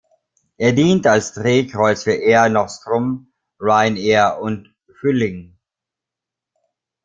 Er dient als Drehkreuz für Air Nostrum, Ryanair und Vueling.